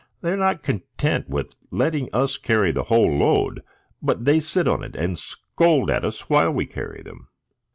They are not content with letting us carry the whole load, but they sit on it, and scold at us while we carry them."